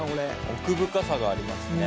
奥深さがありますね。